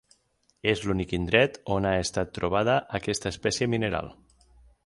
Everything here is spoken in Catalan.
És l'únic indret on ha estat trobada aquesta espècie mineral.